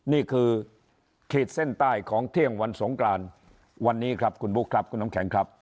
นี่คือขีดเส้นใต้ของเที่ยงวันสงกรานวันนี้ครับคุณบุ๊คครับคุณน้ำแข็งครับ